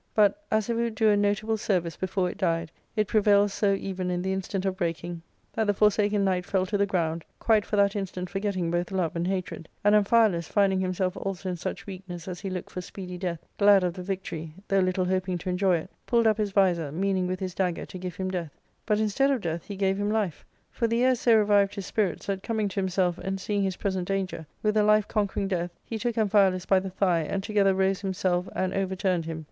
But, as if it would do a notable service before it died, it prevailed so even in the instant of breaking that the Forsaken Knight 332 ARCADIA. ^Book III. fell to the ground, quite for that instant forgetting both love and hatred ; and Amphialus, finding himself also in such weakness as he looked for speedy death, glad of the victory, though little hoping to enjoy it, pulled up his visor, meaning with his dagger to give him death ; but, instead of death, he gave him life ; for the air so revived his spirits that, coming to himself, and seeing his present danger, with a life conquering death, he took Amphialus by the thigh, and together rose him self and overturned him.